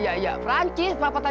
iya iya iya prancis perapatan camis